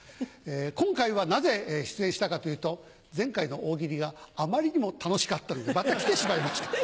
今回はなぜ出演したかというと前回の大喜利があまりにも楽しかったのでまた来てしまいました。